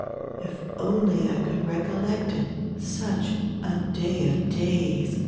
If only I could recollect it, such A day of days !